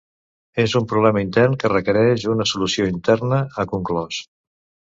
És un problema intern que requereix una solució interna, ha conclòs.